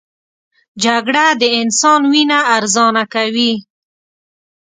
جګړه د انسان وینه ارزانه کوي